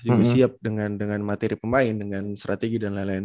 lebih siap dengan materi pemain dengan strategi dan lain lain